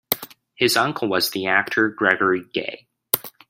His uncle was the actor Gregory Gaye.